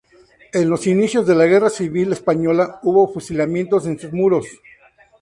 En los inicios de la Guerra Civil española hubo fusilamientos en sus muros.